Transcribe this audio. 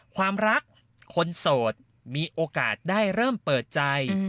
ความรักคนโสดมีโอกาสได้เริ่มเปิดใจ